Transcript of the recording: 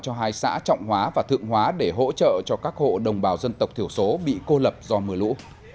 cho hai xã trọng hóa và thượng hóa để hỗ trợ cho các hộ đồng bào dân tộc thiểu số bị cô lập do mưa lũ